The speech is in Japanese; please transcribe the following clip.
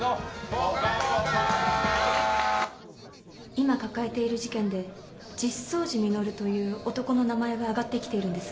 今抱えている事件で実相寺実という男の名前が上がってきているんです。